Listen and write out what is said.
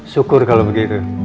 syukur kalau begitu